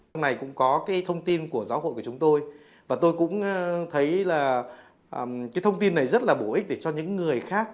hôm nay cũng có cái thông tin của giáo hội của chúng tôi và tôi cũng thấy là cái thông tin này rất là bổ ích để cho những người khác